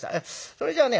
それじゃね